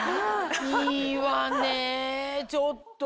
いいわねちょっと。